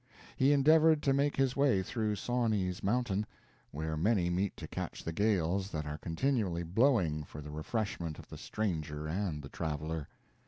He endeavored to make his way through Sawney's Mountain, where many meet to catch the gales that are continually blowing for the refreshment of the stranger and the traveler.